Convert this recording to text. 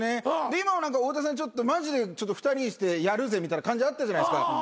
で今も太田さんマジで２人にしてやるぜみたいな感じあったじゃないですか。